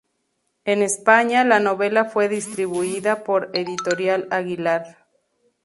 En España la novela fue distribuida por Editorial Aguilar.